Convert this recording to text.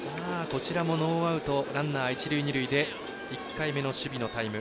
こちらもノーアウトランナー、一塁二塁で１回目の守備のタイム。